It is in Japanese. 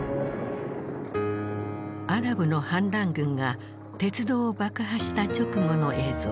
アラブの反乱軍が鉄道を爆破した直後の映像。